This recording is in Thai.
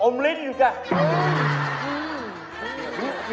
อมฤทธิ์อยู่จ้ะ